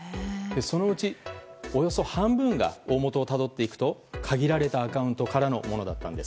そのうちおよそ半分が大元をたどっていくと限られたアカウントからのものだったんです。